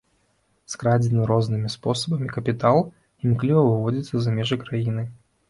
Скрадзены рознымі спосабамі капітал імкліва выводзіцца за межы краіны.